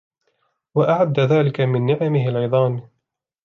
وَأَعَدَّ ذَلِكَ مِنْ نِعَمِهِ الْعِظَامِ